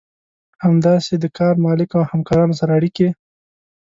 همداسې د کار مالک او همکارانو سره اړيکې.